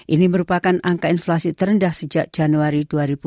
ini merupakan angka inflasi terendah sejak januari dua ribu dua puluh